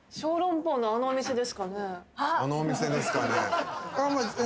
あのお店ですかね？